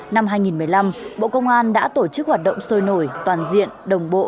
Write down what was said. năm hai nghìn một mươi năm bộ công an đã tổ chức hoạt động sôi nổi toàn diện đồng bộ